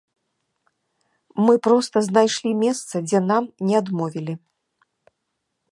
Мы проста знайшлі месца, дзе нам не адмовілі.